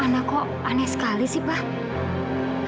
anak kok aneh sekali sih pak